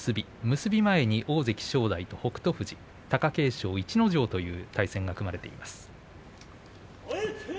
結び前に、大関正代と北勝富士貴景勝逸ノ城という対戦が組まれています。